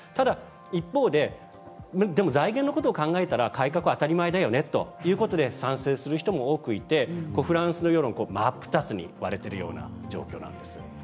一方で財源のことを考えたら改革は当たり前だよということで賛成をする人もいてフランスの世論は真っ二つに割れているような状況なんです。